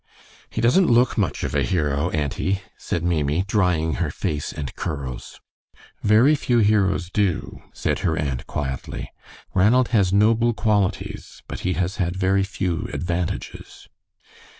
"He doesn't look much of a hero, auntie," said Maimie, drying her face and curls. "Very few heroes do," said her aunt, quietly. "Ranald has noble qualities, but he has had very few advantages."